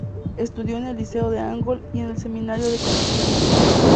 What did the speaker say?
Estudió en el Liceo de Angol y en el Seminario de Concepción.